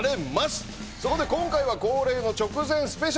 そこで今回は恒例の直前スペシャル。